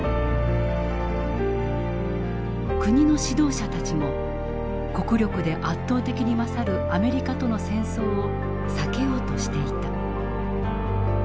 国の指導者たちも国力で圧倒的に勝るアメリカとの戦争を避けようとしていた。